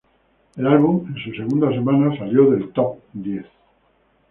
El álbum en su segunda semana salió del "top" diez.